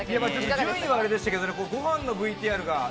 順位はアレでしたけど、ご飯のＶＴＲが。